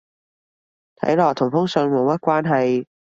睇落同封信冇乜關係